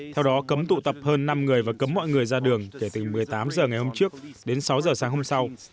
theo đó cấm tụ tập hơn năm người và cấm mọi người ra đường kể từ một mươi tám h ngày hôm trước đến sáu h sáng hôm sau